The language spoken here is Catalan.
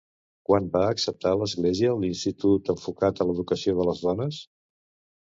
Quan va acceptar l'Església l'institut enfocat a l'educació de les dones?